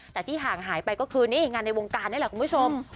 แต่ที่ห่างหายไปก็คือนี่งานในวงการนี่แหละคุณผู้ชม